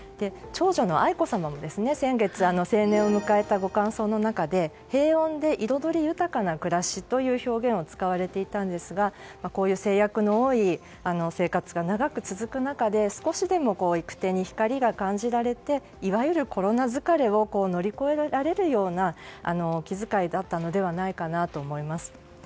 長女の愛子さまが先月、成年を迎えたご感想の中で平穏で彩り豊かな暮らしという表現を使われていたんですが制約の多い生活が長く続く中で少しでも行く手に光を感じられていわゆるコロナ疲れを乗り越えられるような気遣いだったのではないかなと思います。